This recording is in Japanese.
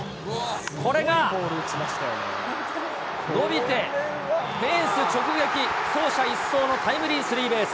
これが、伸びて、フェンス直撃、走者一掃のタイムリースリーベース。